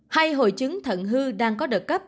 hay hồi chứng thận hư đang có đợt cấp